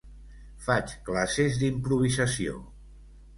Faig classes d'improvisació.